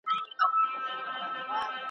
ښار یې مه بولئ یارانو د زندان کیسه کومه `